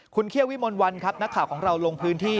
คุณเคี่ยววิมลวันครับนักข่าวของเราลงพื้นที่